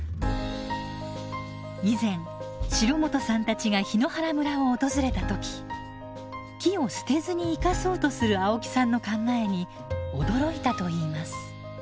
以前城本さんたちが檜原村を訪れた時木を捨てずに生かそうとする青木さんの考えに驚いたといいます。